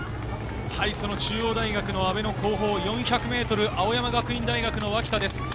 中央大学の阿部の後方４００ｍ、青山学院大学の脇田です。